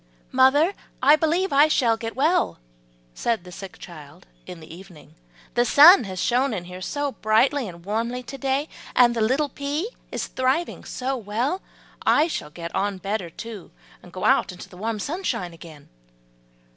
"Mother, I believe I shall get well," said the sick child in the evening, "the sun has shone in here so brightly and warmly to day, and the little pea is thriving so well: I shall get on better, too, and go out into the warm sunshine again."